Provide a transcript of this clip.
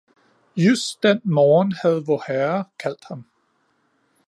Just den morgen havde vorherre kaldt ham